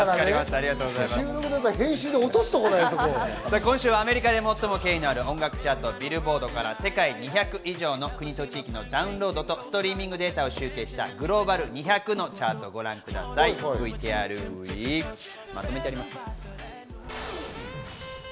今週はアメリカで最も権威のある音楽チャート、ビルボードから世界２００以上の国と地域のダウンロードとストリーミングデータを集計したグローバル２００のチャートをご覧いただきます。